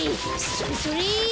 それそれ！